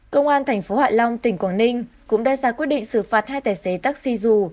công an thành phố hạ long tỉnh quảng ninh cũng đưa ra quyết định xử phạt hai tài xế taxi dù